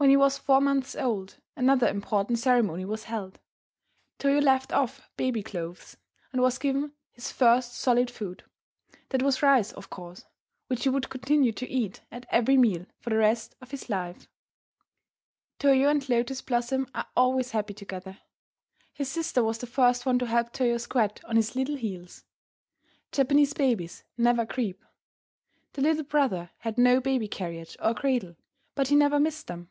When he was four months old another important ceremony was held. Toyo left off baby clothes and was given his first solid food. That was rice, of course, which he would continue to eat at every meal for the rest of his life. Toyo and Lotus Blossom are always happy together. His sister was the first one to help Toyo squat on his little heels. Japanese babies never creep. The little brother had no baby carriage or cradle, but he never missed them.